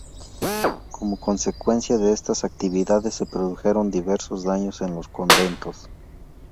Como consecuencia de estas actividades se produjeron diversos daños en los conventos.